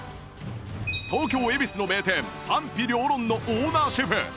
東京恵比寿の名店賛否両論のオーナーシェフ